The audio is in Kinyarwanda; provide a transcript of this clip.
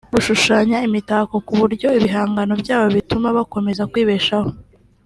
gushushanya imitako ku buryo ibihangano byabo bituma bakomeza kwibeshaho